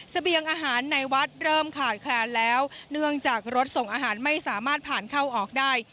เสบียงอาหารในวัดเริ่มขาดแคลนแล้วเนื่องจากรถส่งอาหารไม่สามารถผ่านเข้าออกได้